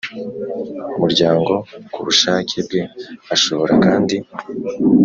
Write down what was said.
Muryango ku bushake bwe ashobora kandi